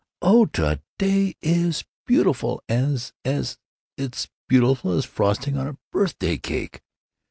"Oh, to day is beautiful as—as—it's beautiful as frosting on a birthday cake!"